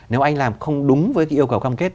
nếu anh làm không đúng với cái yêu cầu cam kết